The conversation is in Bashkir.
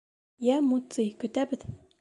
Йә, Муций, көтәбеҙ.